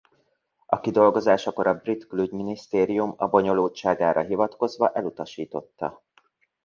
A kidolgozásakor a brit külügyminisztérium a bonyolultságára hivatkozva elutasította.